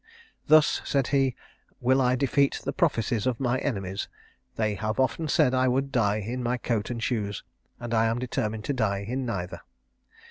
"Thus," said he, "will I defeat the prophecies of my enemies: they have often said I would die in my coat and shoes, and I am determined to die in neither."